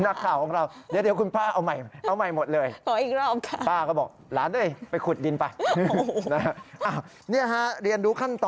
หนักข่าวของเราเดี๋ยวคุณป้าเอาใหม่หมดเลย